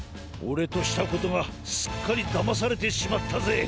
オレとしたことがすっかりだまされてしまったぜ。